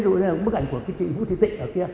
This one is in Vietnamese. thế tôi lấy một bức ảnh của chị vũ thị tị